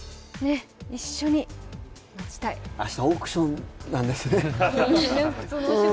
明日オークションなんですね。